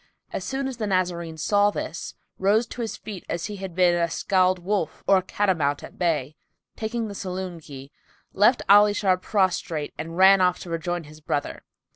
As soon as the Nazarene saw this, rose to his feet as he had been a scald wolf or a cat o' mount[FN#289] at bay and, taking the saloon key, left Ali Shar prostrate and ran off to rejoin his brother.